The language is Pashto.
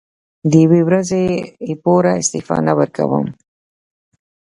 د یوې ورځې لپاره استعفا نه ورکووم.